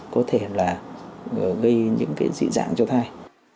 có thể là gây những cái dị dạng cho thai